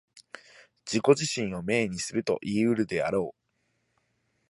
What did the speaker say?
自己自身を明にするといい得るであろう。